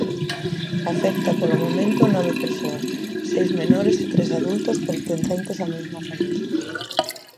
Afecta polo momento nove persoas, seis menores e tres adultos pertencentes á mesma familia.